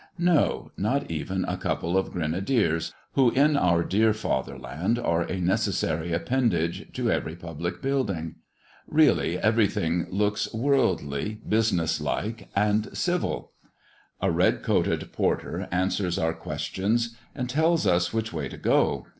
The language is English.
No! not even a couple of grenadiers, who, in our dear fatherland are a necessary appendage to every public building; really everything looks worldly, business like, and civil. A red coated porter answers our questions, and tells us which way to go.